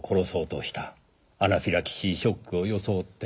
アナフィラキシーショックを装って。